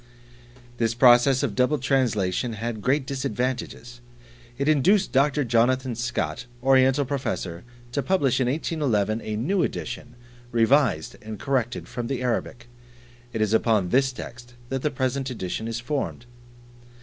This process of double translation had great disadvantages; it induced Dr. Jonathan Scott, Oriental Professor, to publish in 1811, a new edition, revised and corrected from the Arabic. It is upon this text that the present edition is formed.